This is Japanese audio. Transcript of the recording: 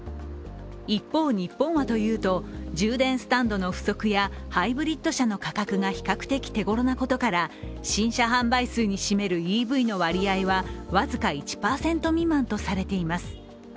一方、日本はというと充電スタンドの不足やハイブリッド車の価格が比較的手ごろなことから新車販売数に占めるＥＶの割合は僅か１％未満とされています。